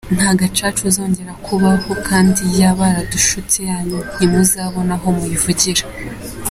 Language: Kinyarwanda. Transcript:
Nta gacaca uzongera kubaho kandi ya ” baradushutse” yanyu ntimuzabona aho muyivugira.